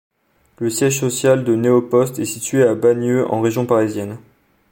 Le siège social de Neopost est situé à Bagneux, en région parisienne.